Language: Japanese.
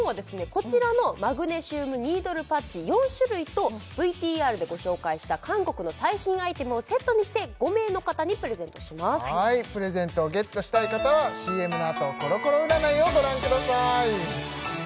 こちらのマグネシウムニードルパッチ４種類とＶＴＲでご紹介した韓国の最新アイテムをセットにして５名の方にプレゼントしますプレゼントをゲットしたい方はＣＭの後コロコロ占いをご覧ください